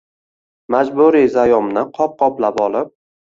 Majburiy zayomni qop-qoplab olib